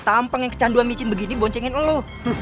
tampeng yang kecanduan micin begini boncengin lu